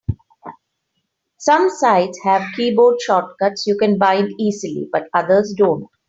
Some sites have keyboard shortcuts you can bind easily, but others don't.